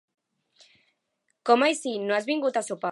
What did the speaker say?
Com així no has vingut a sopar?